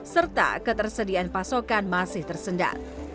serta ketersediaan pasokan masih tersendat